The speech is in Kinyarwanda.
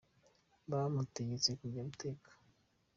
bamutegetse kujya guteka